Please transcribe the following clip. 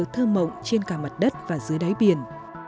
thơ mộng trên cả mặt đất và dưới đáy biển